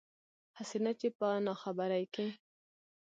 هسې نه چې پۀ ناخبرۍ کښې